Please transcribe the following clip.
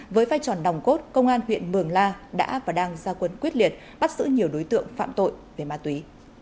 với vai trò nòng cốt công an huyện mường la đã và đang gia quân quyết liệt bắt giữ nhiều đối tượng phạm tội về ma túy